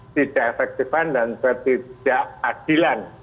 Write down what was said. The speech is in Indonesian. tidak efektifan dan ketidakadilan